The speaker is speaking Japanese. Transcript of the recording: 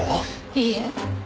いいえ